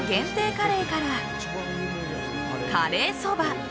カレーからカレーそば